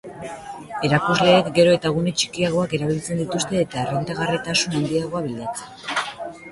Erakusleek gero eta gune txikiagoak erabiltzen dituzte eta errentagarritasun handiago bilatzen.